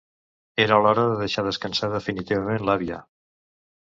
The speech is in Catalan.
Era l'hora de deixar descansar definitivament l'àvia.